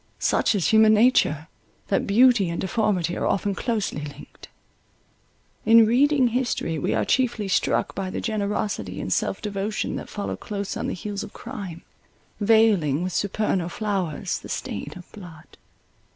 Such is human nature, that beauty and deformity are often closely linked. In reading history we are chiefly struck by the generosity and self devotion that follow close on the heels of crime, veiling with supernal flowers the stain of blood.